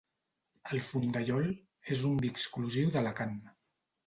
El Fondellol és un vi exclusiu d'Alacant.